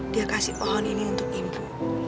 dia kasih pohon ini untuk ibu